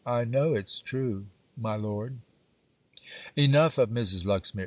I know it's true, my Lord.' Enough of Mrs. Luxmere.